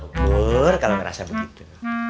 tuhur kalau ngerasa begitu